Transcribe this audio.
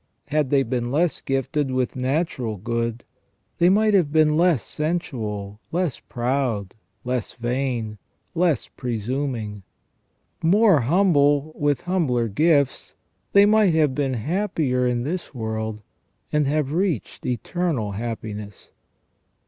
Had they been less gifted with natural good, they might have been less sensual, less proud, less vain, less presuming. More humble, with humbler gifts, they might have been happier in this world, and have reached eternal happiness.